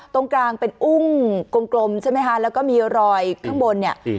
ตรงกลางเป็นอุ้งกลมแล้วก็มีลอยข้างบนนี้